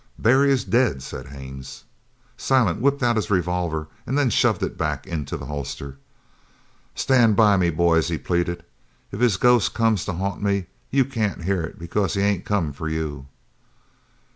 "Barry is dead," said Haines. Silent whipped out his revolver and then shoved it back into the holster. "Stand by me, boys," he pleaded. "It's his ghost come to haunt me! You can't hear it, because he ain't come for you."